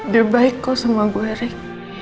dia baik kau semua gue rick